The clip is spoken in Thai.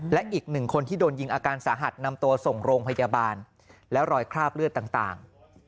และอีกหนึ่งคนที่โดนยิงอาการสาหัสนำตัวส่งโรงพยาบาลแล้วรอยคราบเลือดต่าง